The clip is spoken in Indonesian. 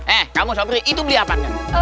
eh kamu sopri itu beli apaan